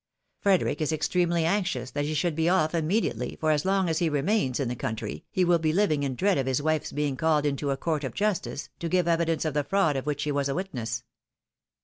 Frederic is extremely anxious that he should be off immediately, for as long as he remains in the country, he wiU be living in dread of liis wife's being called into a court of justice, to give evidence of the fraud of which she was a witness.